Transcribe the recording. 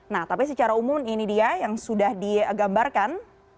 nah tapi secara umum ini dia yang sudah digambarkan